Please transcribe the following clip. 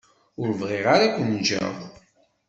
Ur bɣiɣ ara ad ken-ǧǧeɣ.